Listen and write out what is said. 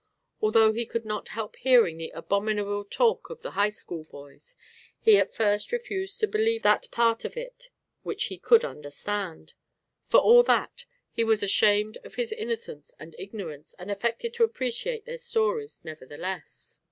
Although he could not help hearing the abominable talk of the High School boys, he at first refused to believe that part of it which he could understand. For all that he was ashamed of his innocence and ignorance and affected to appreciate their stories nevertheless.